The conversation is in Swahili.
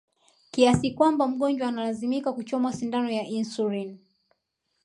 kiasi kwamba mgonjwa analazimika kuchomwa sindano ya insulini